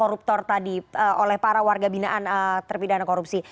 koruptor tadi oleh para warga binaan terpidana korupsi